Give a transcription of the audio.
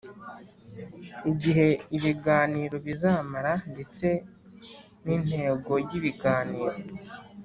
igihe ibiganiro bizamara ndetse n’integoyi biganiro.